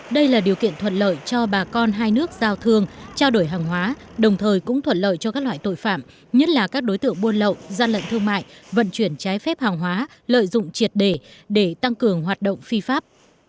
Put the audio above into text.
đây là điều kiện thuận lợi cho bà con hai nước giao thương trao đổi hàng hóa đồng thời cũng thuận lợi cho các loại tội phạm nhất là các đối tượng buôn lậu gian lận thương mại vận chuyển trái phép hàng hóa lợi dụng triệt đề để tăng cường hoạt động phi pháp